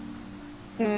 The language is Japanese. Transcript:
うん。